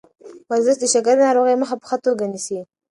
ورزش د شکرې ناروغۍ مخه په ښه توګه نیسي.